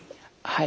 はい。